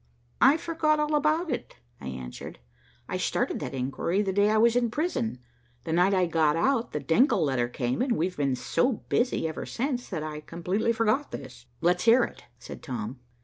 "I forgot all about it," I answered. "I started that inquiry the day I was in prison. The night I got out, the Denckel letter came, and we've been so busy ever since that I completely forgot this." "Let's hear it," said Tom.